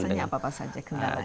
biasanya apa saja kendalanya